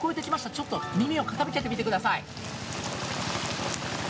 ちょっと耳を傾けてみてください。